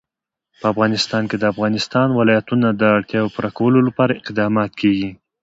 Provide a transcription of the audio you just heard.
په افغانستان کې د د افغانستان ولايتونه د اړتیاوو پوره کولو لپاره اقدامات کېږي.